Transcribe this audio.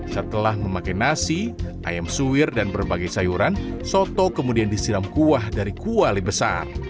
setelah memakai nasi ayam suwir dan berbagai sayuran soto kemudian disiram kuah dari kuali besar